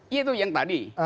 iya itu yang tadi